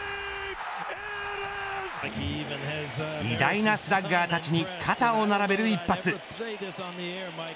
偉大なスラッガーたちに肩を並べる一発。